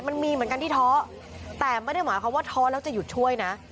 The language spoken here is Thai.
มันมีเหมือนกันที่ท้อแต่ไม่ได้หมายความว่าท้อแล้วจะหยุดช่วยนะ